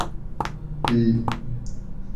پی